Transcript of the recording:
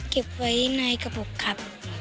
เก็บไว้ในกระปุกครับ